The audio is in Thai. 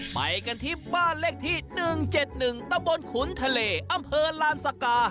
ไปกันที่บ้านเลขที่๑๗๑ตะบนขุนทะเลอำเภอลานสกา